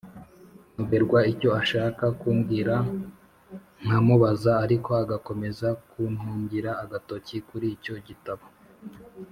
nyoberwa icyo ashaka kumbwira nkamubaza ariko agakomeza kuntungira agatoki kuricyo gitabo,